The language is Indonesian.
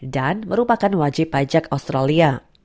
merupakan wajib pajak australia